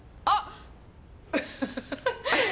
あっ！